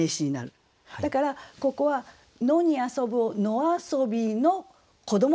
だからここは「野に遊ぶ」を「野遊びの子ども」。